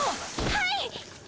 はい！